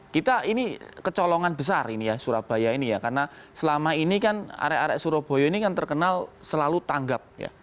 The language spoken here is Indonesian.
kita ini kecolongan besar ini ya surabaya ini ya karena selama ini kan arek arek surabaya ini kan terkenal selalu tanggap